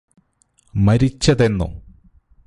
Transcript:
മരിച്ചതെന്നോ